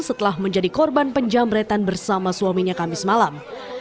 setelah menjadi korban penjamretan bersama suaminya kamis malam